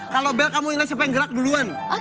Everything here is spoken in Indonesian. kalau bell kamu inget siapa yang gerak duluan